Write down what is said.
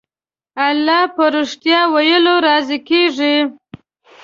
الله په رښتيا ويلو راضي کېږي.